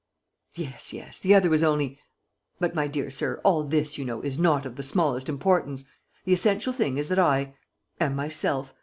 "Yes, yes ... the other was only ... But, my dear sir, all this, you know, is not of the smallest importance. The essential thing is that I ... am myself.